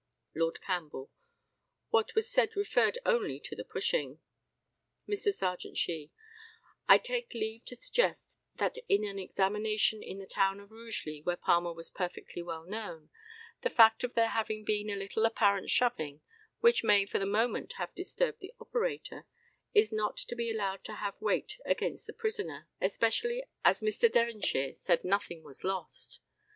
Lord CAMPBELL: What was said referred only to the pushing. Mr. Serjeant SHEE: I take leave to suggest that in an examination in the town of Rugeley, where Palmer was perfectly well known, the fact of there having been a little apparent shoving, which may for the moment have disturbed the operator, is not to be allowed to have weight against the prisoner, especially as Mr. Devonshire said nothing was lost.